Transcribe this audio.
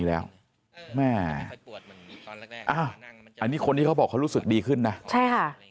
อันนี้เขาบอกเขารู้สึกดีขึ้นนะใช่ค่ะ